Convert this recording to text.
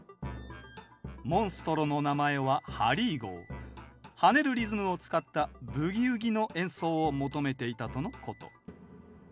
モンストロの名前は跳ねるリズムを使った「ブギウギ」の演奏を求めていたとのこと。